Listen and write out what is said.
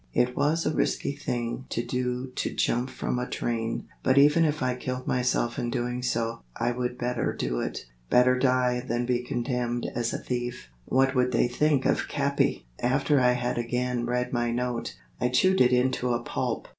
It was a risky thing to do to jump from a train, but even if I killed myself in doing so, I would better do it. Better die than be condemned as a thief. Would they think of Capi? After I had again read my note, I chewed it into a pulp.